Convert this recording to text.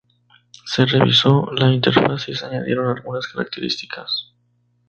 Se revisó la interfaz y se añadieron algunas características.